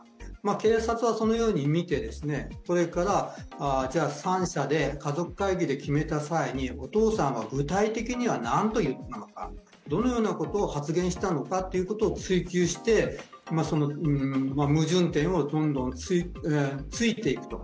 警察はそのようにみて三者で家族会議で決めた際に、お父さんは具体的になんと言ったのか、どのようなことを発言したのかということを追及して、矛盾点をどんどん突いていくと。